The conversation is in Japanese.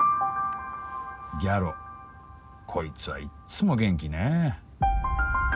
ギャロこいつはいっつも元気ねぇ。